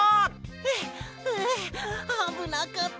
はあはああぶなかった。